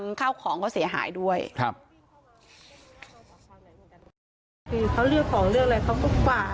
พนักงานในร้าน